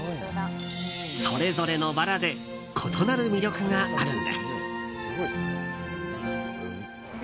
それぞれのバラで異なる魅力があるんです。